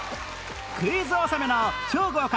クイズ納めの超豪華！